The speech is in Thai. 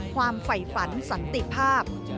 ความไฝฝันสันติภาพ